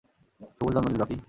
শুভ জন্মদিন, রকি।